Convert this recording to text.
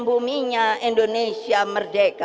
buminya indonesia merdeka